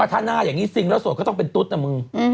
เอ้าถ้าหน้าซิงแล้วโสดก็ต้องเป็นตุ๊ดน่ะมึง